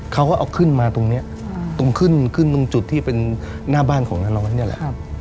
เขาก็เอาขึ้นมาตรงนี้ตรงขึ้นขึ้นตรงจุดที่เป็นหน้าบ้านของน้าน้อยนี่แหละ